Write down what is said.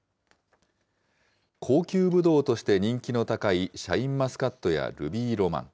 高級ぶどうとして人気の高いシャインマスカットやルビーロマン。